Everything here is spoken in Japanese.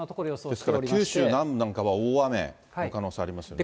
ですから九州南部なんかは大雨の可能性ありますよね。